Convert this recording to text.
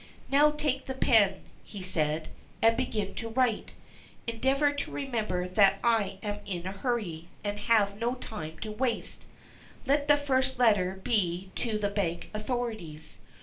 "Now take the pen," he said, "and begin to write. Endeavor to remember that I am in a hurry, and have no time to waste. Let the first letter be to the bank authorities.